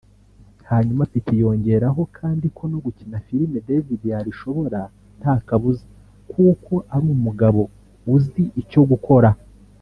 Hanyuma Pitt yongeraho kandi ko no gukina filime David yabishobora nta kabuza kuko ari umugabo uzi icyo gukora